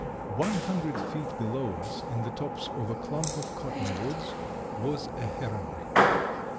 One hundred feet below us, in the tops of a clump of cottonwoods, was a heronry.